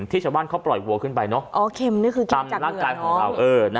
ที่ชาวบ้านเขาปล่อยวัวขึ้นไปเนอะตามร่างกายของเรา